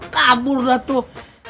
kabur dah tuh